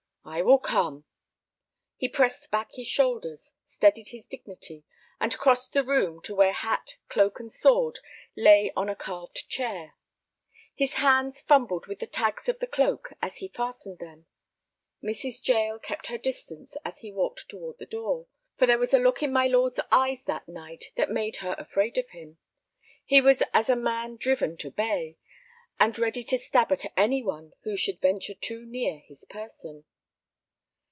"I will come." He pressed back his shoulders, steadied his dignity, and crossed the room to where hat, cloak, and sword lay on a carved chair. His hands fumbled with the tags of the cloak as he fastened them. Mrs. Jael kept her distance as he walked toward the door, for there was a look in my lord's eyes that night that made her afraid of him. He was as a man driven to bay, and ready to stab at any one who should venture too near his person.